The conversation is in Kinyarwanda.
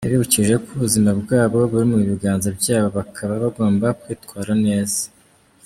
Yabibukije ko ubuzima bwabo buri mu biganza byabo bakaba bagomba kwitwara neza.